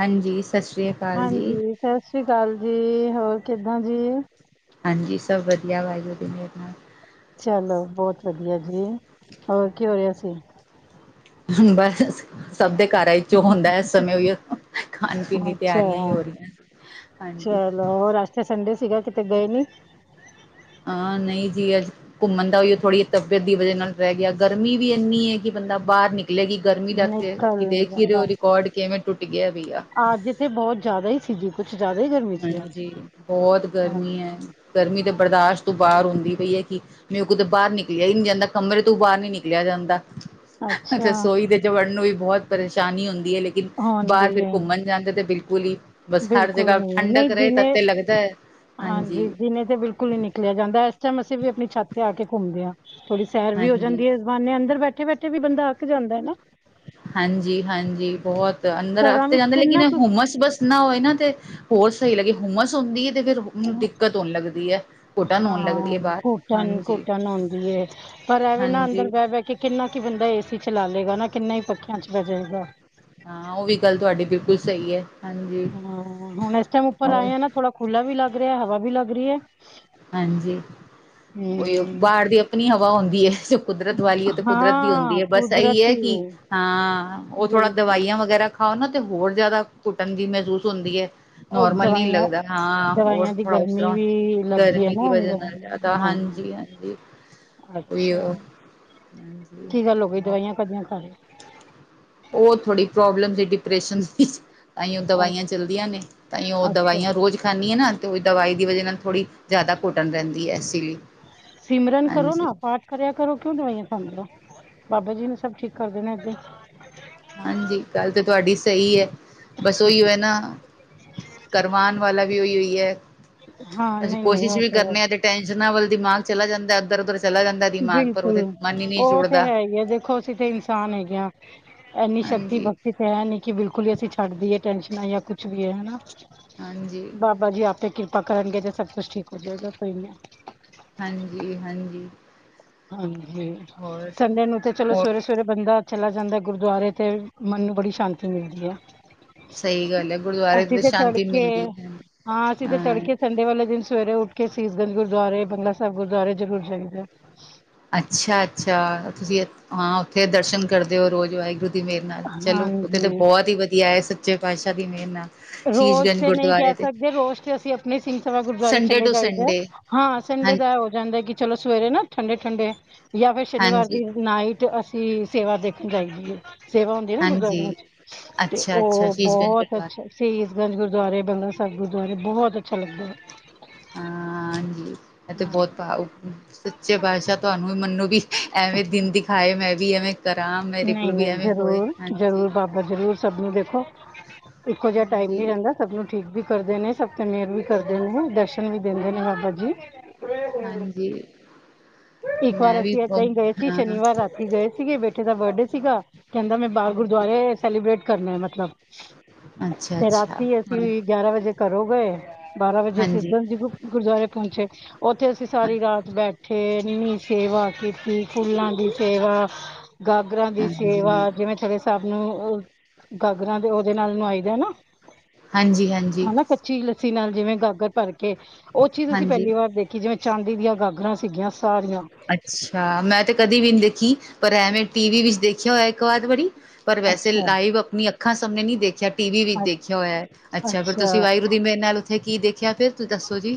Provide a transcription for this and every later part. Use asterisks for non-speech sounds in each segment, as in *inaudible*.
ਹਾਂਜੀ, ਸਸ਼੍ਰੀ ਕਾ ਹਾਂਜੀ, ਸਸ੍ਰੀ ਕਾਲ ਜੀ, ਹੋਰ ਕਿੱਦਾਂ ਜੀ? ਹਾਂਜੀ, ਸਬ ਵਦੀਆ ਵਾਏਗੁਰੂ ਦੀ ਮੇਰ ਨਾਲ। ਚਲੋ ਬੋਤ ਵਦੀਆ ਜੀ, ਹੋਰ ਕੀ ਹੋ ਰਿਆ ਸੀ? ਹੁਣ ਬਸ ਅਸ ਸਬ ਦੇ ਘਰਾਂ ਇਚ ਹੁੰਦਾ ਐ ਇਸ ਸਮੈ ਓਈਓ, ਖਾਣ-ਪੀਣ ਦੀ ਅੱਛਾ ਤਿਆਰੀਆਂ ਈ ਹੋ ਰੀ ਐਂ। *inaudible* ਚਲੋ, ਹੋਰ ਅੱਜ ਤੇ ਸੰਡੇ ਸੀਗਾ, ਕਿਤੇ ਗਏ ਨੀ। ਅ, ਨਈ ਜੀ ਅੱਜ ਘੁੰਮਣ ਦਾ ਓਇਉ ਥੋੜੀ ਤਬੀਅਤ ਦੀ ਵਜੇ ਨਾਲ ਰੈ ਗਿਆ। ਗਰਮੀ ਵੀ ਏਨੀ ਏ ਕਿ ਬੰਦਾ ਬਾਰ ਨਿਕਲੇ ਵੀ ਕੀ ਗਰਮੀ ਦਾ ਤੇ ਨਿਕਲ ਕਿ ਨੀ ਦੇਖ ਈ ਜਾਂਦਾ ਰੇਔ ਰਿਕੌਡ ਕਿਵੇਂ ਟੁੱਟ ਗਯਾ ਬਈਆ। ਅੱਜ ਤੇ ਬੋਤ ਜਾਅਦਾ ਈ ਸੀ ਜੀ। ਕੁਛ ਜਾਅਦਾ ਈ ਗਰਮੀ ਸੀ ਅੱਜ ਹਾਂਜੀ, ਬੋਤ ਹਾਂਜੀ ਗਰਮੀ ਐ, ਗਰਮੀ ਤੇ ਬਰਦਾਸ਼ ਤੋਂ ਬਾਰ ਹੁੰਦੀ ਪਈ ਏ ਕਿ ਮੇਰੇ ਕੋਲ ਤੇ ਬਾਰ ਨਿਕਲਿਆ ਈ ਨੀ ਜਾਂਦਾ, ਕਮਰੇ ਤੋਂ ਬਾਰ ਨੀ ਨਿਕਲਿਆ ਜਾਂਦਾ। ਅੱਛਾ, ਰਸੋਈ ਦੇ ਚ ਵੜਨ ਨੂੰ ਵੀ ਬੋਤ ਪਰੇਸ਼ਾਨੀ ਹੁੰਦੀ ਏ ਲੇ ਲੇਕਿਨ ਬਾਰ ਹਾਂਜੀ ਫਿਰ ਘੁੰਮਣ ਜਾਂਦੇ ਤੇ, ਬਿਲਕੁਲ ਈ ਬਸ ਹਰ ਬਿਲਕੁਲ ਜਗਾ ਨਹੀਂ ਨਹੀਂ ਠੰਡਕ ਰਏ ਤਦ ਦਿਨੇ ਤੇ ਲੱਗਦਾ ਏ, ਹਾਂਜੀ। ਤੇ ਬਿਲਕੁਲ ਨੀ ਨਿਕਲੇਆ ਜਾਂਦਾ ਐਸ ਟੈਮ ਅਸੀਂ ਵੀ ਅਪਣੀ ਛੱਤ ਤੇ ਆ ਕੇ ਘੁੰਮਦੇ ਆ। ਥੋੜੀ ਸੈਰ ਵੀ ਹੋ ਹਾਂਜੀ, ਜਾਂਦੀ ਏ ਏਸ ਬਹਾਨੇ ਅੰਦਰ ਬੈਠੇ-ਬੈਠੇ ਵੀ ਬੰਦਾ ਅੱਕ ਜਾਂਦਾ ਐ ਨਾ। ਹਾਂਜੀ-ਹਾਂਜੀ ਬੋਹਤ, ਅੰਦਰ ਅੱਕ ਘਰਾਂ ਤੇ ਵਿੱਚ ਜਾਂਦੈ ਲੇਕਿਨ ਕਿੰਨਾ ਐ ਹੁੰਮਸ ਬਸ ਨਾ ਹੋਏ ਨਾ ਤੇ ਹੋਰ ਸਈ ਲੱਗੇ, ਹੁੰਮਸ ਹੁੰਦੀ ਏ ਤੇ ਫੇਰ ਮੈਨੂੰ ਕੁ ਦਿੱਕਤ ਹੋਣ ਲੱਗਦੀ ਏ, ਘੁਟਣ ਹੋਣ ਲੱਗਦੀ ਹਾਂ ਏ ਬਾਰ, ਘੁਟਨ ਹਾਂਜੀ। ਘੁਟਨ ਹੁੰਦੀ ਏ ਪਰ ਐਵੇ ਨਾ ਅੰਦਰ ਹਾਂਜੀ ਬੈ-ਬੈ ਕੇ ਕਿੰਨਾ ਕਿ ਬੰਦਾ ਏ-ਸੀ ਚਲਾ ਲੇਗਾ ਨਾ ਕਿੰਨਾ ਈ ਪੱਖਿਆਂ ਚ ਬੈ ਜੇਗਾ। ਹਾਂ ਓ ਵੀ ਗੱਲ ਤੁਆਡੀ ਬਿਲਕੁਲ ਸਈ ਐ। ਹਾਂ ਹੁਣ ਇਸ ਟੈਮ ਉੱਪਰ ਆਏ ਆ ਨਾ ਥੋੜਾ ਖੁੱਲਾ ਵੀ ਲੱਗ ਰਿਆ ਹਵਾ ਵੀ ਲੱਗ ਰਈ ਐ। ਹਾਂਜੀ, ਓਈਓ ਹਮ ਬਾਰ ਦੀ ਅਪਣੀ ਹਵਾ ਹੁੰਦੀ ਐ। ਕੁਦਰਤ ਵਾਲੀ ਓ ਤੇ ਕੁਦਰਤ ਦੀ ਹੁੰਦੀ ਹਾਂ ਐ ਬਸ ਏਈ ਐ ਕੁਦਰਤੀ ਕਿ ਹਾਂ ਓ ਥੋੜਾ ਬਿਲਕੁਲ ਦਵਾਈਆਂ ਵਗੈਰਾ ਹਾਂ ਓਨਾਂ ਤੇ ਹੋਰ ਜ਼ਾਦਾ ਘੁੱਟਣ ਜੀ ਮਹਿਸੂਸ ਹੁੰਦੀ ਐ। ਉਹ ਨੋਰਮਲ ਨੀ ਦਵਾਈਆਂ ਲੱਗਦਾ ਹਾਂ ਹੋਰ ਦਵਾਈਆਂ ਦੀ ਥੋੜਾ ਉਸ ਗਰਮੀ ਤਰ੍ਹਾਂ ਵੀ ਲੱਗਦੀ ਹੈ ਗਰਮੀ ਦੀ ਨਾ ਵਜਾ ਅੰਦਰ ਨਾਲ ਜ਼ਿਆਦਾ ਹਾਂ ਹਾਂਜੀ, ਹਾਂਜੀ ਉਈ ਅੱਛਾ ਉਹ ਕੀ ਗੱਲ ਹੋ ਗਈ ਦਵਾਈਆਂ ਕਾਦੀਆਂ ਖਾ ਰਹੇ ਹੋ ਉਹ ਥੋੜੀ ਪ੍ਰੋਬਲਮ ਸੀ ਡਿਪਰੈਸ਼ਨਸ ਦੀ ਤਾਂਹੀ ਉਹ ਦਵਾਈਆਂ ਚੱਲਦੀਆਂ ਨੇ ਤਾਂਹੀ ਉਹ ਅੱਛਾ ਅੱਛਾ ਦਵਾਈਆਂ ਰੋਜ਼ ਖਾ ਨੀ ਆ ਨਾ ਤੇ ਉਹ ਦਵਾਈ ਦੀ ਵਜਾ ਨਾਲ ਥੋੜ੍ਹੀ ਜ਼ਿਆਦਾ ਘੁੱਟਣ ਰਹਿੰਦੀ ਐ ਐਸੀ ਲਈ ਸਿਮਰਨ ਕਰੋ ਹਾਂਜੀ ਨਾ ਪਾਠ ਕਰਿਆ ਕਰੋ ਕਿਉਂ ਦਵਾਈਆਂ ਖਾਂਦੇ ਹੋ ਬਾਬਾ ਜੀ ਨੇ ਸਭ ਠੀਕ ਕਰ ਦੇਣਾ ਅੱਗੇ ਹਾਂਜੀ ਗੱਲ ਤੇ ਤੁਹਾਡੀ ਸਹੀ ਐ ਬਸ ਉਹੀ ਓ ਹੈ ਨਾ ਕਰਵਾਣ ਵਾਲਾ ਵੀ ਉਹੀ ਹੀ ਹੈ ਹਾਂ ਅਸੀਂ ਨਹੀਂ ਨਹੀਂ ਕੋਸ਼ਿਸ਼ ਉਹ ਵੀ ਕਰਨੇ ਆ ਤੇ ਟੈਨਸ਼ਨਾਂ ਵੱਲ ਦਿਮਾਗ ਚਲਾ ਜਾਂਦਾ ਇਧਰ ਉੱਧਰ ਚਲਾ ਜਾਂਦਾ ਦਿਮਾਗ ਪਰ ਬਿਲਕੁਲ ਉਹਦੇ ਮਨ ਹੀ ਨਹੀਂ ਉਹ ਤੇ ਜੁੜਦਾ ਹੈ ਹੀ ਏ ਦੇਖੋ ਤੇ ਇਨਸਾਨ ਹੈਗੇ ਆ ਇੰਨੀ ਸ਼ਕਤੀ ਹਾਂਜੀ ਬਕਤੀ ਤੇ ਹੈ ਨੀਂ ਕਿ ਬਿਲਕੁਲ ਹੀ ਅਸੀਂ ਛੱਡ ਦੀਏ ਟੈਨਸ਼ਨਾਂ ਜਾਂ ਕੁਛ ਵੀ ਏ ਹਨਾ ਹਾਂਜੀ ਬਾਬਾ ਜੀ ਆਪੇ ਕਿਰਪਾ ਪਾ ਕਰਨਗੇ ਤੇ ਸਭ ਕੁਛ ਠੀਕ ਹੋ ਜੇਗਾ ਕੋਈ ਨੀ ਆ ਹਾਂਜੀ, ਹਾਂਜੀ ਹਾਂਜੀ ਹੋਰ ਸੰਡੇ ਨੂੰ ਤੇ ਚਲੋ ਹੋਰ ਸਵੇਰੇ-ਸਵੇਰੇ ਬੰਦਾ ਚਲਾ ਜਾਂਦਾ ਗੁਰਦੁਆਰੇ ਤੇ ਮਨ ਨੂੰ ਬੜੀ ਸ਼ਾਂਤੀ ਮਿਲਦੀ ਐ ਸਹੀ ਗੱਲ ਹੈ ਗੁਰਦੁਆਰੇ ਅਸੀਂ ਤੋਂ ਤੇ ਸ਼ਾਂਤੀ ਤੜਕੇ ਮਿਲਦੀ ਹੈ ਹਾਂ ਅਸੀਂ ਤੇ ਤੜਕੇ ਸੰਡੇ ਵਾਲੇ ਦਿਨ ਸ ਸਵੇਰੇ ਉੱਠ ਕੇ ਸੀਸਗੰਜ ਗੁਰਦੁਆਰੇ, ਬੰਗਲਾ ਸਾਹਿਬ ਗੁਰਦੁਆਰੇ ਜ਼ਰੂਰ ਜਾਈਦੇ ਅੱਛਾ, ਅੱਛਾ ਤੁਸੀਂ ਉ ਹਾਂ ਉੱਥੇ ਦਰਸ਼ਨ ਕਰਦੇ ਹੋ ਰੋਜ਼ ਵਾਹਿਗੁਰੂ ਦੀ ਮੇਹਰ ਨਾਲ ਚਲੋ ਉੱਥੇ ਤਾਂ ਹਾਂਜੀ ਬਹੁਤ ਹੀ ਵਧੀਆ ਐ ਸੱਚੇ ਪਾਤਸ਼ਾਹ ਦੀ ਮੇਹਰ ਨਾਲ ਰੋਜ਼ ਸ਼ੀਸ਼ਗੰਜ ਤੇ ਨਹੀਂ ਗੁਰਦੁਆਰੇ ਕਹਿ ਤੇ ਸਕਦੇ ਰੋਜ਼ ਤੇ ਅਸੀਂ ਆਪਣੇ ਸਿੰਘ ਸਭਾ ਗੁਰਦੁਆਰੇ ਸੰਡੇ ਚਲੇ ਟੂ ਜਾਈਦੇ ਸੰਡੇ ਹਾਂ ਸੰਡੇ ਦਾ ਹੋ ਜਾਂਦਾ ਹੈ ਕਿ ਚਲੋ ਸਵੇਰੇ ਨਾ ਠੰਡੇ ਠੰਡੇ ਜਾਂ ਫੇਰ ਸ਼ਨੀਵਾਰ ਹਾਂਜੀ ਦੀ ਨਾਈਟ ਅਸ ਸੀ ਸੇਵਾ ਦੇਖਣ ਜਾਈ ਦੀ ਐ ਸੇਵਾ ਹੁੰਦੀ ਐ ਨਾ ਗੁਰਦੁਆਰਿਆਂ ਹਾਂਜੀ ਚ ਤੇ ਅੱਛਾ ਅੱਛਾ ਉਹ ਸ਼ੀਸ਼ਗੰਜ ਬਹੁਤ ਗੁਰਦੁਆਰੇ ਅੱਛਾ ਸੀਸਗੰਜ ਗੁਰਦੁਆਰੇ, ਬੰਗਲਾ ਸਾਹਿਬ ਗੁਰਦੁਆਰੇ ਬਹੁਤ ਅੱਛਾ ਲੱਗਦਾ ਹਾਂਜੀ ਇਹ ਤੇ ਹਾਂ ਬਹੁਤ ਭਾ ਉਪ ਸੱਚੇ ਪਾਤਸ਼ਾਹ ਤੁਹਾਨੂੰ ਵੀ ਮਨੂੰ ਵੀ ਐਵੇਂ ਦਿਨ ਦਿਖਾਏ ਮੈਂ ਵੀ ਐਵੇਂ ਕਰਾਂ ਮੇਰੇ ਨਹੀਂ ਕੋਲੋਂ ਵੀ ਨਹੀਂ ਐਵੇਂ ਹੋਏ, ਜ਼ਰੂਰ ਹਾਂਜੀ ਜ਼ਰੂਰ ਬਾਬਾ ਜ਼ਰੂਰ ਸਭ ਨੂੰ ਦੇਖੋ ਇੱਕੋ ਜਿਹਾ ਟਾਈਮ ਹਾਂਜੀ ਨੀ ਰਹਿੰਦਾ ਸਭ ਨੂੰ ਠੀਕ ਵੀ ਕਰਦੇ ਨੇ, ਸਭ ਤੇ ਮੇਹਰ ਵੀ ਕਰਦੇ ਨੇ ਹਾਂਜੀ ਦਰਸ਼ਨ ਵੀ ਦਿੰਦੇ ਨੇ ਬਾਬਾ ਜੀ ਹਾਂਜੀ ਇੱਕ ਵਾਰ ਮੈਂ ਵੀ ਅਸੀ ਬ ਏਦਾਂ ਹੀ ਗਏ ਸੀ ਹਾਂ ਸ਼ਨੀਵਾਰ ਰਾਤੀ ਗਏ ਸੀਗੇ ਬੇਟੇ ਦਾ ਬਰਡੇ ਸੀਗਾ ਕਹਿੰਦਾ ਮੈਂ ਬਾਹਰ ਹਾਂਜੀ ਗੁਰਦੁਆਰੇ ਸੈਲੀਬ੍ਰੇਟ ਕਰਨਾ, ਮਤਲਬ ਅੱਛਾ ਤੇ ਅੱਛਾ ਰਾਤੀ ਹਾਂ ਅਸੀ ਗਿਆਰਾਂ ਵਜੇ ਘਰੋ ਗਏ ਬਾਰਾਂ ਵਜੇ ਅਸੀਂ ਹਾਂਜੀ ਗੰਜ ਗੁਰਦੁਆਰੇ ਪਹੁੰਚੇ ਉੱਥੇ ਅਸੀਂ ਸਾਰੀ ਹਾਂਜੀ ਰਾਤ ਬੈਠੇ ਇਨੀ ਸੇਵਾ ਕੀ ਤੀ ਫੁੱਲਾਂ ਦੀ ਸੇਵਾ, ਗਾਗਰਾਂ ਦੀ ਹਾਂਜੀ ਸੇਵਾ ਜਿਵੇਂ *unintelligible* ਸਾਹਿਬ ਨੂੰ ਉਹ ਗਾਗਰਾਂ ਦੇ ਉਹਦੇ ਨਾਲ ਨਵਾਈਦੇ ਨਾ ਹਾਂਜੀ, ਹਾਂਜੀ ਹਨਾ ਕੱਚੀ ਲੱਸੀ ਨਾਲ ਜਿਵੇਂ ਗਾਗਰ ਭਰ ਕੇ ਉਹ ਚੀਜ਼ ਅਸੀਂ ਹਾਂਜੀ ਪਹਿਲੀ ਵਾਰ ਦੇਖ ਖੀ ਜਿਵੇਂ ਚਾਂਦੀ ਦੀਆਂ ਗਾਗਰਾਂ ਸੀਗੀਆਂ ਸ ਅੱਛਾ, ਮੈਂ ਤੇ ਕਦੀ ਵੀ ਨਹੀਂ ਦੇਖੀ ਪਰ ਐਵੇਂ ਟੀ ਵੀ ਵਿੱਚ ਦੇਖਿਆ ਹੋਇਆ ਇੱਕੋ ਆਧ ਵਾਰੀ ਪਰ ਵੈਸੇ ਅੱਛਾ ਲਾਈਵ ਆਪਣੀ ਅੱਖਾਂ ਸਾਮਨੇ ਨੀ ਦੇਖਿਆ ਟੀ ਵੀ ਵਿਚ ਦੇਖਿਆ ਹੋਇਆ ਅੱਛਾ, ਫਿਰ ਤੁਸੀਂ ਵਾਹਿਗੁਰੂ ਦੀ ਮੇਹਰ ਨਾਲ ਉੱਥੇ ਕੀ ਦੇਖਿਆ ਫਿਰ ਤੁਸੀਂ ਦੱਸੋ ਜੀ।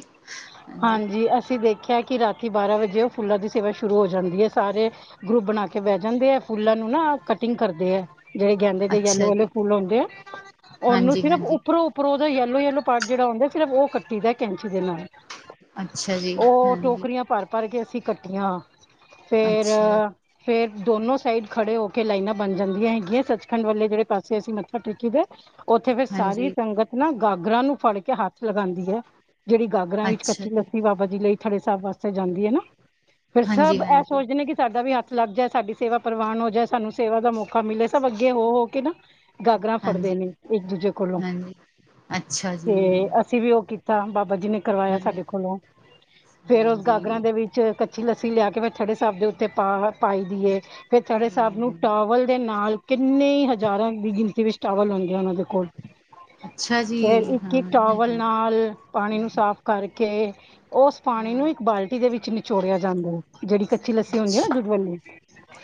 ਹਾਂਜੀ ਜੀ, ਅਸੀਂ ਦੇਖਿਆ ਕਿ ਰਾਤੀ ਬਾਰ੍ਹਾਂ ਵਜੇ ਉਹ ਫੁੱਲਾਂ ਦੀ ਸੇਵਾ ਸ਼ੁਰੂ ਹੋ ਜਾਂਦੀ ਐ ਸਾਰੇ ਗਰੁੱਪ ਬਣਾ ਕੇ ਬਹਿ ਜਾਂਦੇ ਐ, ਫੁੱਲਾਂ ਨੂੰ ਨਾ ਕਟਿੰਗ ਕਰਦੇ ਐ। ਜਿਹੜੇ ਗੈਂਦੇ ਦੇ ਯੈਲੋ ਅੱਛਾ ਵਾਲੇ ਜੀ ਫੁੱਲ ਹੁੰਦੇ ਆ। ਉਹਨੂੰ ਹਾਂਜੀ ਸਿਰਫ ਹਾਂਜੀ ਉੱਪਰੋਂ ਪਰੋ ਉਹਦਾ ਯੈਲੋ-ਯੈਲੋ ਪਾਟ ਜਿਹੜਾ ਹੁੰਦਾ, ਸਿਰਫ ਉਹ ਕੱਟੀ ਦਾ ਏ। ਕੈਂਚੀ ਦੇ ਨਾਲ, ਅੱਛਾ ਜੀ ਉਹ ਹਾਂਜੀ ਟੋਕਰੀਆਂ ਭਰ ਭਰ ਕੇ ਅਸੀਂ ਕੱਠੀਆਂ, ਫੇਰ ਅੱਛਾ ਫੇਰ ਦੋਨੋ ਸਾਈਡ ਖੜੇ ਹੋ ਕੇ ਲਾਈਨਾਂ ਬਣ ਜਾਂਦੀਆਂ ਹੈਗੀਆਂ, ਸੱਚਖੰਡ ਵੇ ਜਿਹੜੇ ਪਾਸੇ ਅਸੀਂ ਮੱਥਾ ਟੇਕੀ ਦਾ ਉੱਥੇ ਫੇਿਰ ਸਾਰੀ ਹਾਂਜੀ ਸੰਗਤ ਨਾ ਗਾਗਰਾਂ ਨੂੰ ਫੜ ਕੇ ਹੱਥ ਲਗਾਂਦੀ ਐ। ਜਿਹੜੀ ਗਾਗਰਾਂ ਵਿੱਚ ਅੱਛਾ ਕੱਚੀ ਜੀ ਲੱਸੀ ਬਾਬਾ ਜੀ ਲਈ ਥੜੇ ਸਾਹਿਬ ਵਾਸਤੇ ਜਾਂਦੀ ਐ ਨਾ। ਫਿਰ ਹਾਂਜੀ ਸਭ ਇਹ ਹਾਂਜੀ ਸੋਚਦੇ ਨੇ ਕਿ ਸਾਡਾ ਵੀ ਹੱਥ ਲੱਗ ਜਾਏ। ਸਾਡੀ ਸੇਵਾ ਪ੍ਰਵਾਨ ਹੋ ਜਾਏ, ਸਾਨੂੰ ਸੇਵਾ ਦਾ ਮੌਕਾ ਕਾ ਮਿਲੇ, ਸਭ ਅੱਗੇ ਹੋ-ਹੋ ਕੇ ਨਾ ਗਾਗਰਾਂ ਫੜਦੇ ਹਾਂਜੀ ਨੇ ਇੱਕ-ਦੂਜੇ ਕੋਲੋਂ ਹਾਂਜੀ ਅੱਛਾ ਜੀ। ਤੇ ਅਸੀਂ ਵੀ ਉਹ ਕੀਤਾ ਬਾਬਾ ਜੀ ਨੇ ਕਰਵਾਇਆ ਹਾਂਜੀ ਸਾਡੇ ਕੋਲੋਂ। ਫੇਿਰ ਉਸ ਗਾਗਰਾਂ ਹਾਂਜੀ ਦੇ ਵਿੱਚ ਕੱਚੀ-ਲੱਸੀ ਲਿਆ ਕੇ ਵੇ ਥੜੇ -ਸਾਬ ਦੇ ਉੱਤੇ ਪਾ ਪਾਈ ਦੀਏ। ਫਿਰ ਥੜੇ ਸਾਹਿਬ ਨੂੰ ਹੂੰ ਟਾਵਲ ਦੇ ਨਾਲ ਕਿੰਨੇ ਹਜ਼ਾਰਾਂ ਦੀ ਗਿਣਤੀ ਵਿੱਚ ਟਾਵਲ ਹੁੰਦੈ ਆ ਉਹਨਾਂ ਦੇ ਕੋਲ ਅੱਛਾ ਜੀ ਫੇਰ ਹਾਂ ਇੱਕ-ਇੱਕ ਟਾਵਲ ਹਾਂ ਨਾਲ ਪਾਣੀ ਨੂੰ ਸਾਫ਼ ਕਰਕੇ, ਉਸ ਪਾਣੀ ਨੂੰ ਹਾਂ ਇੱਕ ਬਾਲਟੀ ਦੇ ਵਿੱਚ ਨਿਚੋੜਿਆ ਜਾਂਦਾ ਐ। ਜਿਹੜੀ ਕੱਚੀ-ਲੱਸੀ ਹੁੰਦੀ ਆ ਨਾ ਦੁੱਧਵਾਲੀ।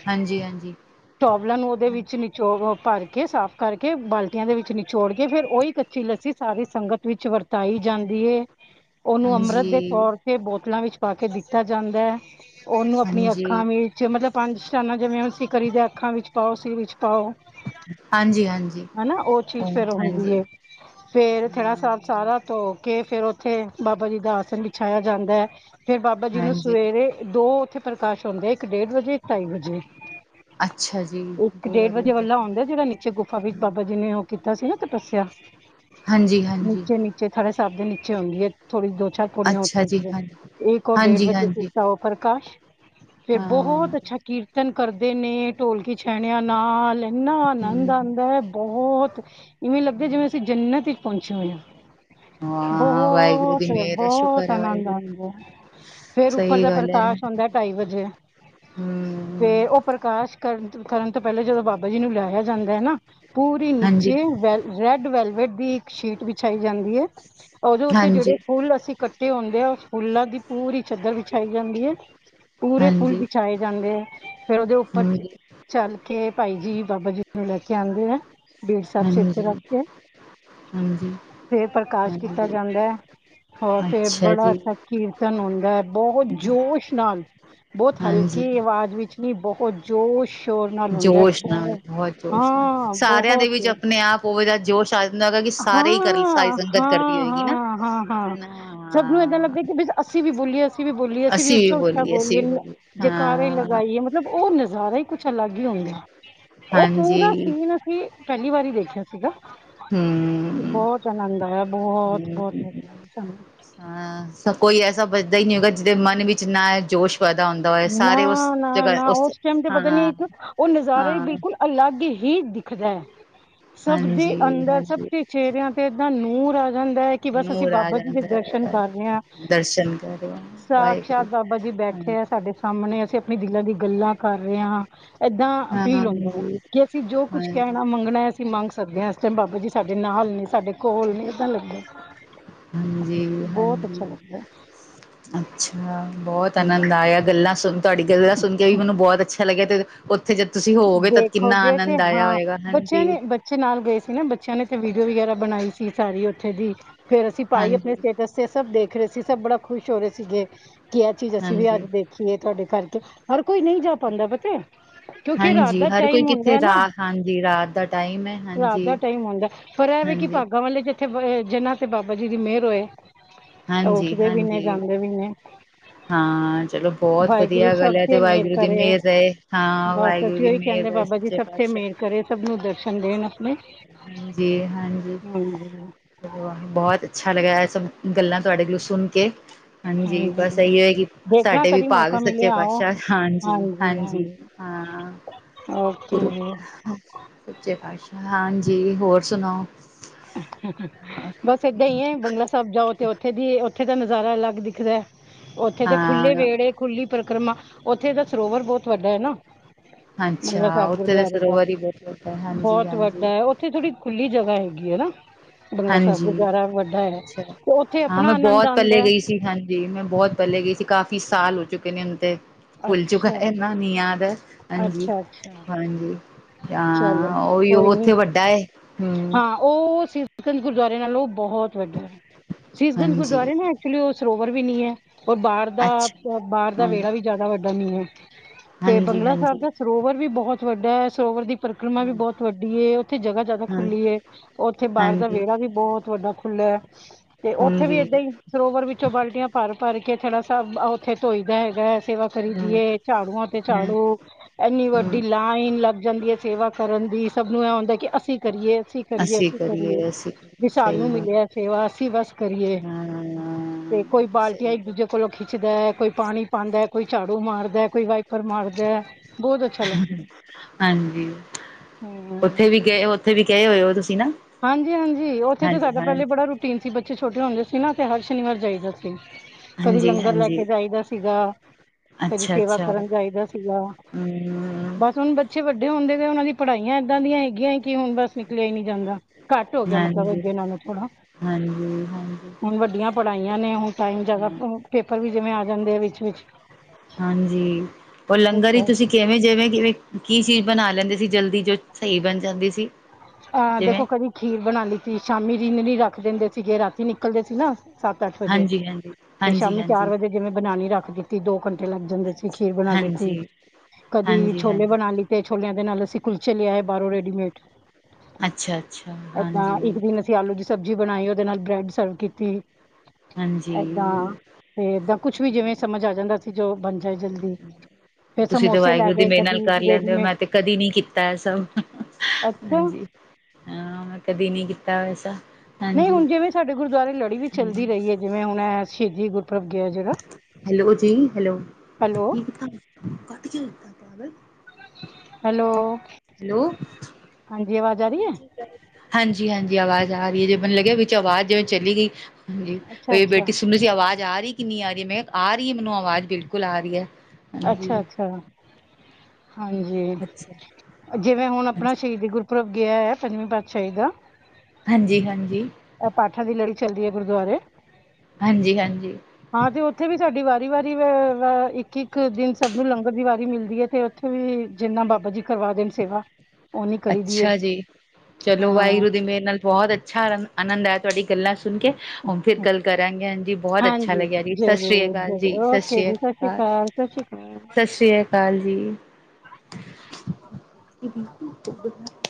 ਹਾਂਜੀ, ਹਾਂਜੀ। ਟੌਵਲਾਂ ਨੂੰ ਉਹਦੇ ਵਿੱਚ ਨਿਚੋ ਭਰ ਕੇ ਸਾਫ਼ ਕਰਕੇ ਬਾਲਟੀਆਂ ਦੇ ਵਿੱਚ ਨਿਚੋੜ ਕੇ ਫਿਰ ਉਹੀ ਕੱਚੀ-ਲੱਸੀ ਸਾਰੀ ਸੰਗਤ ਵਿੱਚ ਵਰਤਾਈ ਜਾਂਦੀ ਐ। ਉਹਨੂੰ ਅੰਮ੍ਰਿਤ ਹਾਂਜੀ, ਦੇ ਤੌਰ ਤੇ ਬੋਤਲਾਂ ਵਿੱਚ ਪਾ ਕੇ ਦਿੱਤਾ ਜਾਂਦਾ ਐ। ਉਹਨੂੰ ਆਪਣੀ ਅੱਖਾਂ ਵਿੱਚ ਜ ਮਤਲਬ ਪੰਜ- ਸ਼ਾਨਾਂ ਜਿਵੇਂ-ਅਸੀਂ ਕਰੀ ਦਾ, ਅੱਖਾਂ ਵਿੱਚ ਪਾਓ, ਸਿਰ ਵਿੱਚ ਪਾਓ ਹਾਂਜੀ-ਹਾਂਜੀ। ਹਨਾ, ਉਹ ਚੀਜ਼ ਫੇਰ ਹੁੰਦੀ ਐ। ਫੇਰ ਥੇੜਾ ਹਾਂ, ਸਾਹਿਬ ਸਾਰਾ ਧੋ ਕੇ, ਫੇਰ ਉੱਥੇ ਬਾਬਾ ਜੀ ਦਾ ਆਸਨ ਵਿਛਾਇਆ ਜਾਂਦਾ ਐ। ਫਿਰ ਬਾਬਾ ਜੀ ਨੂੰ ਹਾਂਜੀ, ਸਵੇਰੇ ਦੋ ਉੱਥੇ ਪ੍ਰਕਾਸ਼ ਹੁੰਦੇ, ਇੱਕ ਡੇਢ ਵਜੇ, ਇੱਕ ਢਾਈ ਵਜੇ। ਅੱਛਾ ਜੀ। ਇੱਕ ਦੋ ਡੇਢ ਵਾਰੀ ਵਜੇ ਹੁੰਦਾ, ਵਾਲਾ ਔਦਾ, ਜਿਹੜਾ ਨੀਚੇ ਗੁਫਾ ਵਿੱਚ ਹਾਂ, ਬਾਬਾ ਜੀ ਨੇ ਉਹ ਕੀਤਾ ਸੀ ਨਾ ਤਪੱਸਿਆ ਹਾਂਜੀ-ਹਾਂਜੀ, ਨੀਚੇ-ਨੀਚੇ ਥੜੇ ਸਾਭ ਦੇ ਨੀਚੇ ਹੁੰਦੀ ਐ ਥੋੜ੍ਹੀ ਦੋ-ਛੱ ਪੁੜੀਆਂ ਅੱਛਾ ਉੱਤਰ ਜੀ, ਹਾਂ ਤੇ, ਹਾਂਜੀ, ਇੱਕ ਉਹ ਡੇਢ ਵਜੇ ਹਾਂਜੀ-ਹਾਂਜੀ। ਕੀਤਾ ਉਹ ਪ੍ਰਕਾਸ਼ ਫੇਰ ਹਾਂ, ਬਹੁਤ ਅੱਛਾ ਕੀਰਤਨ ਕਰਦੇ। ਨੇ ਢੋਲਕੀ- ਛੈਣਿਆਂ ਨਾਲ ਇੰਨਾ ਹੂੰ, ਆਨੰਦ ਆਂਦਾ ਐ, ਬਹੁਤ ਇਵੇਂ ਲੱਗਦਾ ਜਿਵੇਂ- ਅਸੀਂ ਜਨਨਤ ਤੱਕ ਪਹੁੰਚੇ ਹੋਏ ਆ। ਹਾਂ, ਵਾਹਿਗੁਰੂ ਦੀ ਬਹੁਤ, ਮਿਹਰ ਹੈ, ਸ਼ੁਕਰ ਬਹੁਤ ਹੈ ਆਨੰਦ ਵਾਹਿਗੁਰੂ ਆਂਦਾ। ਫਿਰ ਉੱਪਰ ਸਹੀ ਦਾ ਗੱਲ ਹੈ, ਪ੍ਰਕਾਸ਼ ਹੁੰਦਾ, ਢਾਈ ਵਜੇ ਹੂੰ, ਫੇਰ ਉਹ ਪ੍ਰਕਾਸ਼ ਕਰਨ, ਕਰਨ ਤੋਂ ਪਹਿਲਾਂ, ਜਦੋਂ ਬਾਬਾ ਜੀ ਨੂੰ ਲਿਆਇਆ ਜਾਂਦਾ ਐ ਨਾ ਪੂਰੀ ਹਾਂਜੀ, ਨੀਚੇ ਵ ਰੈਡ ਵੈਲਵੇਟ ਦੀ ਇੱਕ ਸ਼ੀਟ ਵਿਛਾਈ ਜਾਂਦੀ ਐ। ਉਹਦੇ ਉੱਤੇ ਹਾਂਜੀ, ਜਿਹੜੇ ਫੁੱਲ ਅਸੀਂ ਕੱਟੇ ਹੁੰਦੇ ਆ। ਉਸ ਫੁੱਲਾਂ ਦੀ ਪੂਰੀ ਚਾਦਰ ਵਿਛਾਈ ਜਾਂਦੀ ਐ। ਪੂਰੇ ਫੁੱਲ ਹਾਂਜੀ, ਵਿਛਾਏ ਜਾਂਦੇ ਐ, ਫੇਰ ਉਹਦੇ ਉੱਪਰ ਹਾਂਜੀ, ਚੱਲ ਕੇ, ਭਾਈ ਜੀ ਬਾਬਾ ਜੀ ਨੂੰ ਲੈ ਕੇ ਆਂਦੇ ਆ। ਬੀੜ ਸਾਹਿਬ ਸਿਰ ਤੇ ਹਾਂਜੀ, ਰੱਖ ਕੇ, ਹਾਂਜੀ, ਤੇ ਪ੍ਰਕਾਸ਼ ਕੀਤਾ ਹਾਂਜੀ, ਜਾਂਦਾ ਐ। ਹੋਰ ਫਿਰ ਅੱਛਾ ਬੜਾ ਜੀ, ਅੱਛਾ ਕੀਰਤਨ ਹੁੰਦਾ ਹੈ। ਬਹੁਤ ਜੋਸ਼ ਨਾਲ ਬਹੁਤ ਹਾਂਜੀ। ਹਲਕੀ ਆਵਾਜ਼ ਵਿੱਚ ਨ ਬਹੁਤ ਜੋਰ ਸ਼ੋਰ ਨਾਲ ਹੁੰਦਾ ਹੈ। ਜੋਸ਼ ਨਾਲ ਬਹੁ ਬਹੁਤ ਹਾਂ ਬਹੁਤ ਕੋਿ ਦਾ ਜੋਸ਼ ਆ ਜਾਂਦਾ ਹੈਗਾ ਕਿ ਸਾਰੇ ਹੀ ਕਰ ਸਾਰੀ ਹਾਂ, ਸੰਗਤ ਕਰਦੀ ਹਾਂ, ਹੋਏਗੀ ਨਾ ਹਾਂ, ਹਾਂ, ਹਾਂ। ਸਭ ਨੂੰ ਏਦਾਂ ਹਾਂ ਲੱਗਦਾ ਕਿ ਬ ਅਸੀਂ ਵੀ ਬੋਲੀਏ, ਅਸੀਂ ਵੀ ਬੋਲੀਏ, ਅਸੀਂ ਵੀ ਉੱਚਾ-ਉੱਚਾ ਬੋਲੀਏ, ਜੈਕਾਰੇ ਲ ਗਾਈਏ, ਮਤਲਬ, ਔ ਨਜ਼ਾਰਾ ਈ ਕੁਛ ਅਲੱਗ ਹੀ ਹੁੰਦਾ, ਔ ਪੂਰਾ ਹਾਂਜੀ ਸੀਨ ਕੀ ਪੈਲੀ ਵਾਰ ਈ ਦੇਖਿਆ ਸੀਗਾ। ਹੁੰ। ਬੋਤ ਆਨੰਦ ਆਇਆ, ਬੋਤ-ਬੰਤ ਮਜ਼ਾ ਆਇਆ, ਸਾਨੂੰ। ਅ ਕੋਈ ਐਸਾ ਬਚਦਾ ਈ ਨੀ ਹੋਗਾ, ਜਿਦੇ ਮਨ ਵਿੱਚ ਨਾ, ਐ ਜੋਸ਼ ਪੈਦਾ ਹੁੰਦਾ ਹੋ ਨਾ-ਨਾ-ਨਾ, ਔਸ ਟੈਮ ਤੇ ਪਤਾ ਨੀ ਹਾਂ ਇੱਕ, ਔ ਨਜ਼ਾਰਾ ਈ ਹਾਂ ਬਿਲਕੁਲ ਅਲੱਗ ਹੀ ਦਿਖਦਾ ਹੈ, ਸਭ ਦੇ ਹਾਂਜੀ ਅੰਦਰ ਸਭ ਹਾਂਜੀ ਦੇ ਚੇਹਰਿਆਂ ਏਦਾ ਨੂਰ ਆ ਜਾਂਦਾ ਐ। ਕਿ ਬਸ ਅਸੀਂ ਨੂਰ ਆ ਬਾਬਾ ਜੀ ਦੇ ਜਾਂਦਾ ਦਰਸ਼ਨ ਹੈ, ਕਰ ਰੇ ਆਂ, ਦਰਸ਼ਨ ਕਰੋ ਵਾਹਿਗੁਰੂ ਸਾਕਸ਼ਾਤ ਬਾਬਾ ਜੀ ਬੈਠੇ ਆ ਸਾਡੇ ਸਾਮਣੇ, ਅਸੀਂ ਆਪਣੀ ਦਿਲਾਂ ਦੀ ਗੱਲਾਂ ਕਰ ਰੇ ਆਂ। ਏਦਾਂ ਹਾਂ ਫੀਲ ਹੁੰਦਾ ਐ, ਹਾਂਜੀ ਕਿ ਅਸੀਂ ਜੋ ਕੁੱਝ ਹਾਂਜੀ, ਕੈਣਾ ਮੰਗਣਾ ਅਸੀਂ ਮੰਗ ਸਕਦੇ ਆਂ, ਇਸ ਟੈਮ ਬਾਬਾ ਜੀ ਸਾਡੇ ਨਾਲ ਨੇ, ਸਾਡੇ ਕੋਲ ਨੇ ਏਦਾਂ ਲੱਗਿਆ। ਹਾਂਜੀ-ਹਾਂਜੀ। ਅੱਛਾ ਲੱਗਦਾ ਅੱਛਾ, ਬੋਤ ਆਨੰਦ ਹੂੰ ਆਇਆ, ਗੱਲਾਂ ਸੁਣ ਤੁਆਡੀ ਗੱਲਾਂ ਸੁਣ ਕੇ ਵੀ, ਮੈਨੂੰ ਬੋਤ ਅੱਛਾ ਲੱਗਿਆ ਤੇ ਓਥੇ ਜਦ ਤੁਸੀਂ ਹੋਗੇ, ਤਦ ਕਿੰਨਾ ਦੇਖੋਗੇ ਤੇ ਆਨੰਦ ਆਇਆ ਹਾਂ ਹੋਏਗਾ, ਬੱਚਿਆਂ ਹਾਂਜੀ। ਨੇ ਬੱਚੇ ਨਾਲ ਗਏ ਸੀ ਨਾ, ਬੱਚਿਆਂ ਨੇ ਇੱਥੇ ਵੀਡੀਓ ਵਗੈਰਾ ਬਣਾਈ ਸੀ, ਸਾਰੀ ਓਥੇ ਦੀ ਫੇਰ ਅਸੀਂ ਪਾਈ ਆਪਣੇ ਹਾਂਜੀ। ਸਟੇਟਸ- ਸਭ ਦੇਖ ਰੇ ਸੀ, ਸਭ ਬੜਾ ਖੁਸ਼ ਹੋ ਰੇ ਸੀਗੇ, ਕਿ ਐ ਚੀਜ਼ ਅਸੀਂ ਵੀ ਹਾਂਜੀ, ਅੱਜ ਦੇਖ ਰਖੀਏ ਤੁਆਡੇ ਕਰਕੇ, ਹਰ ਕੋਈ ਨਈ ਜਾ ਪਾਂਦਾ ਪਤਾ ਐ। ਕਿਉਂਕਿ ਰਾਤ ਹਾਂਜੀ ਦਾ ਹਰ ਕੋਈ ਟਾਈਮ ਹੁੰਦਾ ਐ ਕਿੱਥੇ ਨਾ, ਰਾ ਹਾਂਜੀ ਰਾਤ ਦਾ ਟਾਈਮ ਹੈ ਰਾਤ ਹਾਂਜੀ। ਦਾ ਟਾਈਮ ਹੁੰਦਾ ਐ। ਪਰ ਐਵੇ ਕਿ, ਹਾਂਜੀ, ਭਾਗਾਂ ਵਾਲੇ ਜਿੱਥੇ ਜਨਾਂ ਤੇ ਬਾਬਾ ਜੀ ਦੀ ਮੇਰ ਹੋਏ। ਤੇ ਹਾਂਜੀ, ਉੱਠਦੇ ਵੀ ਨੇ, ਹਾਂਜੀ। ਜਾਂਦੇ ਵੀ ਨੇ। ਹਾਂ, ਚਲੋ ਬੋਤ ਵਾਹਿਗੁਰੂ ਵਧੀਆ ਗੱਲ ਸਭ ਐ, ਤੇ ਮਿਹਰ ਵਾਹਿਗੁਰੂ ਦੀ ਕਰੇ ਮੇਰ ਰਏ। ਬਸ ਅਸੀਂ, ਓਈ ਕੈਂਦੇ ਬਾਬਾ ਜੀ ਸਭ ਤੇ ਮੇਰ ਪਾਤਸ਼ਾਹ ਕਰੇ, ਸਭ ਨੂੰ ਦਰਸ਼ਨ ਦੇਣ ਅਪਣੇ। ਜੀ ਹਾਂਜੀ। ਬੋਤ ਅੱਛਾ ਲੱਗਿਆ ਐ, ਸਭ ਗੱਲਾਂ ਤੁਆਡੇ ਕੋਲੋ ਸੁਣ ਕੇ। ਹਾਂਜੀ, ਬਸ ਅਈਯੋ ਏ ਕਿ, ਦੇਖਣਾ ਸਾਡੇ ਵੀ ਕਦੀ ਭਾਗ ਮੌਕਾ ਸੱਚੇ ਮਿਲਿਆ ਆਓ ਪਾਤਸ਼ਾਹ, ਹਾਂਜੀ ਹਾਂਜੀ-ਹਾਂਜੀ। ਹਾਂਜੀ ਹਾਂ। ਓਕੇ ਜੀ। ਸਚੇ ਪਾਤਸ਼ਾਹ, ਹਾਂਜੀ ਹੋਰ ਸੁਣਾਓ। ਬਸ ਏਦਾਂ ਈ ਐ, ਬੰਗਲਾ ਸਾਬ ਜਾਓ, ਤੇ ਓਥੇ ਦੀ ਓਥੇ ਦਾ ਨਜ਼ਾਰਾ ਅਲੱਗ ਦਿਖਦਾ, ਓਥੇ ਤਾਂ ਖੁੱਲ੍ਹੇ ਹਾਂ ਵੇੜੇ ਖੁੱਲੀ ਪਰਕਰਮਾ, ਓਥੇ ਦਾ ਸਰੋਵਰ ਬੋਤ ਵੱਡਾ ਐ ਨਾ। ਬਗੰਲਾ ਅੱਛਾ ਸੈਬ ਉੱਥੇ ਦੇ ਗੁਰਦੁਆਰੇ ਦਾ, ਸਰੋਵਰ ਹੀ ਬਹੁਤ ਵੱਡਾ ਹਾਂਜੀ ਬੋਤ ਹਾਂਜੀ ਵੱਡਾ ਐ, ਔਥੇ ਥੋੜੀ ਖੁੱਲੀ ਜਗ੍ਹਾ ਹੈਗੀ। ਗੀ ਹੈਨਾ, ਬੰਗਲਾ ਸੈਬ ਹਾਂਜੀ ਗੁਰਦਵਾਰਾ ਵੱਡਾ ਹੈਗਾ, ਤੇ ਓਥੇ ਆਪਣਾ ਅਨੰਦ ਆਂਦਾ ਐ। ਜੀ ਹਾਂਜੀ, ਮੈਂ ਬੋਤ ਪੈਲੇ ਗੀ ਸੀ, ਕਾਫ਼ੀ ਸਾਲ ਹੋ ਚੁੱਕੇ ਨੇ ਹੁਨ, ਤੇ ਭੁੱਲ ਚੁੱਕਾ ਅੱਛਾ ਏਨਾ। ਨੀ ਯਾਦ ਐ। ਅੱਛਾ ਅੱਛਾ ਹਾਂਜੀ-ਹਾਂਜੀ, ਚਲੋ ਹਾਂ ਓਵੀਓ ਓਥੇ ਵੱਡਾ ਐ, ਹੁੰ। ਓ, ਸੀਸਗੰਜ ਗੁਰਦੁਆਰੇ ਨਾਲੋ ਬਹੁਤ ਵੱਡਾ ਐ, ਸੀਸਗੰਜ ਹਾਂਜੀ ਗੁਰਦੁਆਰੇ ਨਾ ਐਚੁਲੀ ਓ ਸਰੋਵਰ ਵੀ ਨੀ ਐ, ਓਰ ਬਾੱਰ ਦਾ ਅੱਛਾ ਬਾੱਰ ਦਾ ਹਾਂ ਵੇੜਾ, ਵੀ ਜ਼ਾਦਾ ਵੱਡਾ ਨੀ ਐ। ਤੇ ਹਾਂਜੀ ਬੰਗਲਾ ਸੈਬ ਹਾਂਜੀ ਦਾ ਸਰੋਵਰ ਵੀ ਬਹੋਤ ਵੱਡਾ ਐ, ਸਰੋਵਰ ਦੀ ਪਰਿਕਰਮਾ ਵੀ ਹਾਂ ਬੋਤ ਵੱਡੀ ਏ, ਔਥੇ ਜਗਾ ਜਾਦਾ ਹਾਂ ਖੁੱਲੀ ਏ, ਔਥੇ ਬਾੱਰ ਦਾ ਹਾਂਜੀ ਵੇੜਾ ਵੀ ਬੋਤ ਵੱਡਾ ਖੁ ਖੁਲਾ ਐ, ਤੇ ਔਥੇ ਵੀ ਹਾਂਜੀ ਏਦਾਂ ਈ ਸਰੋਵਰ ਵਿੱਚ ਚੋ ਬਾਲਟੀਆਂ ਭਾਰ-ਭਾਰ ਕੇ, ਥੜਾ ਸਾਭ ਔਥੇ ਧੋਈ ਦਾ ਹੈਗਾ। ਸੇਵਾ ਕਰੀ ਦੀ ਹਮ ਏ, ਚਾੜੂਆਂ ਤੇ ਹਮ ਚਾੜੂ ਐਨੀ ਵੱਡੀ ਲਾਈਨ ਲੱਗ ਜਾਂਦੀ ਏ, ਸੇਵਾ ਕਰਨ ਦੀ, ਸਭ ਨੂੰ ਐ ਹੁੰਦਾ ਕਿ ਅਸੀਂ ਕਰੀਏ ਅਸੀਂ ਕਰੀਏ-ਅਸੀਂ ਕਰੀਏ ਅਸੀਂ ਕਰੀਏ, ਵੀ ਸਾਨੂੰ ਸਹੀ ਮਿਲੇ ਗੱਲ ਐ ਸੇਵਾ, ਅਸੀਂ ਬਸ ਕਰੀਏ ਤੇ ਹਾਂ ਕੋਈ ਬਾਲਟੀਆਂ ਸਹੀ ਗੱਲ, ਇੱਕ-ਦੂਜੇ ਕੋਲੋਂ ਖਿੱਚਦਾ, ਕੋਈ ਪਾਣੀ ਪਾਂਦਾ, ਕੋਈ ਚਾੜੂ ਮਾਰਦਾ, ਕੋਈ ਵਾ ਪਰ ਮਾਰਦਾ, ਬੋਤ ਅੱਛਾ ਲੱਗਦਾ ਐ। ਹਾਂਜੀ ਉੱਥੇ ਵੀ ਗਏ ਉੱਥੇ ਵੀ ਗਏ ਹੋਏ ੳ ਤੁਸੀਂ ਨਾ। ਹਾਂਜੀ-ਹਾਂਜੀ ਉੱਥੇ ਤਾਂ ਹਾਂਜੀ ਸਾਡਾ ਹਾਂ ਪੈਲੇ ਬੜਾ ਰੂਟੀਨ ਸੀ, ਬੱਚੇ ਛੋਟੇ ਹੁੰਦੇ ਸੀ ਨਾ ਹਰ ਸ਼ਨੀਵਾਰ ਜਾਈਦਾ ਸੀ। ਕਦੀ ਹਾਂਜੀ ਲੰਗਰ ਲੈ ਹਾਂਜੀ ਕੇ ਜਾਈਦਾ ਸੀਗਾ। ਕਦੀ ਅੱਛਾ ਸੇਵਾ ਅੱਛਾ ਕਰਨ ਜਾਈਦਾ ਸੀਗਾ, ਹਮ ਬਸ ਹੁਨ ਬਚ ਬੱਚੇ ਵੱਡੇ ਹੁੰਦੇ ਤੇ ਉਨਾਂ ਦੀ ਪੜ੍ਹਾਈਆਂ ਏਦਾਂ ਦੀਆਂ ਹੈਗੀਆਂ ਕਿ ਹੁਨ ਬਸ ਨਿਕਲਿਆ ਈ ਨੀ ਜਾਂਦਾ। ਘੱਟ ਹੋ ਗਿਆ ਮਤਲਬ ਹਾਂਜੀ ਅੱਗੇ ਨਾਲੋ ਥੋੜਾ, ਹਾਂਜੀ ਹਾਂਜੀ ਹੁਨ ਵੱਡੀਆਂ ਪੜ੍ਹਾਈਆਂ ਨੇ ਹੁਨ ਟਾਈਮ ਜਾਦਾ ਹਮ ਪੇਪਰ ਵੀ ਜਿਵੇਂ ਆ ਜਾਂਦੇ ਆ ਵਿਚ-ਵਿਚ। ਹਾਂਜੀ ੳ ਲੰਗਰ ਈ ਤੁਸੀਂ ਕਿਵੇਂ ਜਿਵੇਂ ਜਿਵੇਂ ਕੀ ਚੀਜ਼ ਬਨਾ ਲੈਂਦੇ ਸੀ ਜਲਦੀ ਜੋ ਸਈ ਬਨ ਜਾਂਦੀ ਸੀ। ਹਾਂ ਜਿਵੇਂ ਦੇਖੋ ਕਦੀ ਖੀਰ ਬਣਾ ਲਈ ਸੀ ਸ਼ਾਮੀ ਰਿੰਨ ਨੀ ਰੱਖ ਦਿੰਦੇ ਸੀਗੇ, ਰਾਤੀ ਨਿਕਲਦੇ ਸੀ ਨਾ। ਸੱਤ ਅੱਠ ਵਜੇ ਹਾਂਜੀ-ਹਾਂਜੀ। ਤੇ ਸ਼ਾਮੀ ਚਾਰ ਵਜੇ ਜਿਵੇਂ ਬਨਾਨੀ ਰੱਖ ਦੀਤੀ ਦੋ ਘੰਟੇ ਲੱਗ ਜਾਂਦੇ ਸੀ ਖੀਰ ਬਨਾ ਦਿਤੀ। ਹਾਂਜੀ ਕਦੀ ਹਾਂਜੀ ਛੋਲੇ ਹਾਂਜੀ ਬਨਾ ਲਿਤੇ ਛੋਲਿਆਂ ਦੇ ਨਾਲ ਅਸੀਂ ਕੁਲਚੇ ਲਿਆਏ ਬਾਰੋਂ ਰੈਡੀਮੇਡ। ਅੱਛਾ-ਅੱਛਾ ਐਦਾਂ ਹਾਂਜੀ। ਇੱਕ ਦਿਨ ਆਲੂ ਦੀ ਸਬਜ਼ੀ ਬਣਾਈ ਉਦੇ ਨਾਲ ਬ੍ਰੈਡ ਸਰਵ ਕੀਤੀ। ਹਾਂਜੀ ਏਦਾਂ ਤੇ ਏਦਾਂ ਕੁਛ ਵੀ ਜਿਵੇਂ ਸਮਝ ਆ ਜਾਂਦਾ ਸੀ ਜੋ ਬਣ ਜਾਏ ਜਲਦੀ। ਫੇਰ ਸਮੋਸੇ ਲੈ ਗਏ ਕਦੀ ਰੇਡੀਮੇਡ। ਕਦੇ ਨੀ ਕੀਤਾ ਐ ਸਭ। ਕੰਯੋ ਆ ਮੈਂ ਕਦੀ ਨੀ ਕੀਤਾ ਵੈਸਾ। ਨਈ ਹਾਂਜੀ ਹੁਨ ਜਿਵੇਂ ਸਾਡੇ ਗੁਰਦੁਆਰੇ ਲੜੀ ਵੀ ਚੱਲਦੀ ਰਈ ਏ ਜਿਵੇਂ ਹੁਣ ਐ ਸ਼ਹੀਦੀ ਗੁਰ ਹੈਲੋ ਜੀ ਹੈਲੋ। Hello hello. ਹੈਲੋ ਹਾਂਜੀ ਆਵਾਜ਼ ਆ ਰਈ ਏ। ਹਾਂਜੀ-ਹਾਂਜੀ ਆਵਾਜ਼ ਆ ਰਈ ਏ, ਜੇ ਮੈਨੂੰ ਲੱਗਿਆ ਵਿੱਚ ਆਵਾਜ਼ ਜਿਵੇਂ ਚਲੀ ਗਈ। ਅੱਛਾ ਹਾਂਜੀ ਅੱਛਾ ਬੇਟੀ ਸੁਨ ਰਈ ਸੀ ਆਵਾਜ਼ ਆ ਰਈ ਕਿੰਨੀ ਆ ਰਈ ਏ, ਮੈਂ ਕਿਆ ਆ ਰਈ ਏ ਮੈਨੂੰ ਆਵਾਜ਼ ਬਿਲਕੁਲ ਆ ਰਈ ਏ। ਅੱਛਾ-ਅੱਛਾ ਹਾਂਜੀ ਅੱਛਾ ਜਿਵੇਂ ਹੁਨ ਆਪਣਾ ਹਾਂਜੀ ਸ਼ਹੀਦੀ ਗੁਰਪੁਰਬ ਗਿਆ ਐ, ਪੰਜਵੀਂ ਪਾਤਸ਼ਾਹੀ ਦਾ ਹਾਂਜੀ-ਹਾਂਜੀ ਅ ਪਾਠਾਂ ਦੀ ਲੜੀ ਚੱਲਦੀ ਏ ਗੁਰਦੁਆਰੇ। ਹਾਂਜੀ-ਹਾਂਜੀ ਹਾਂ ਤੇ ਉੱਥੇ ਵੀ ਸਾਡੀ ਵਾਰੀ-ਵਾਰੀ ਵ ਵਾ ਇੱਕ-ਇੱਕ ਦਿਨ ਸਭ ਨੂੰ ਲੰਗਰ ਦੀ ਵਾਰੀ ਮਿਲਦੀ ਏ ਤੇ ਵੀ ਜਿੰਨਾ ਬਾਬਾ ਜੀ ਕਰਵਾ ਦੇਣ ਸੇਵਾ, ਓਨੀ ਕਰੀ ਦੀ ਏ। ਅੱਛਾ ਜੀ ਚਲੋ ਹਾਂ ਵਾਹਿਗੁਰੂ ਦੀ ਮੇਰ ਨਾਲ ਬੋਤ ਅੱਛਾ ਆਨੰਦ ਆਇਆ ਤੁਹਾਡੀ ਗੱਲਾਂ ਸੁਣ ਕੇ। ਹੁਣ ਫਿਰ ਗੱਲ ਕਰਾਂਗੇ ਹਾਂਜੀ ਬਹੁਤ ਅੱਛਾ ਹਾਂਜੀ ਲੱਗਿਆ ਜੀ, ਸਤਿ ਸ੍ਰੀ ਜ਼ਰੂਰ ਅਕਾਲ ਜੀ, ਜ਼ਰੂਰ ਸਤਿ ਓਕੇ ਸ੍ਰੀ ਅ ਜੀ ਸਤਿ ਸ੍ਰੀ ਅਕਾਲ, ਸਤਿ ਸ੍ਰੀ ਸਤਿ ਸ੍ਰੀ ਅਕਾਲ ਜੀ।